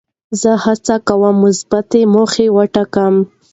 زه هڅه کوم مثبتې موخې وټاکم.